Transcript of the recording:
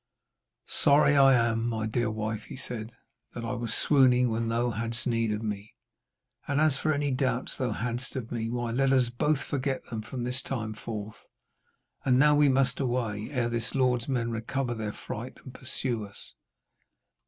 'Sorry I am, my dear wife,' he said, 'that I was swooning when thou hadst need of me. And as for any doubts thou hadst of me, why, let us both forget them from this time forth. And now we must away, ere this lord's men recover their fright and pursue us.'